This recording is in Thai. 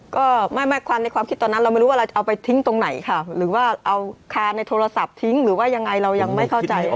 ก็ไม่ความในความคิดตอนนั้นเราไม่รู้ว่าเราจะเอาไปทิ้งตรงไหนค่ะหรือว่าเอาคาในโทรศัพท์ทิ้งหรือว่ายังไงเรายังไม่เข้าใจ